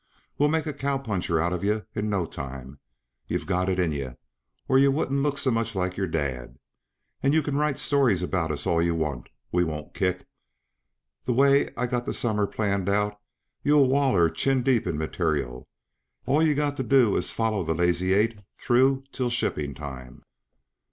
We'll make a cow puncher of yuh in no time; you've got it in yuh, or yuh wouldn't look so much like your dad. And you can write stories about us all yuh want we won't kick. The way I've got the summer planned out, you'll waller chin deep in material; all yuh got to do is foller the Lazy Eight through till shipping time."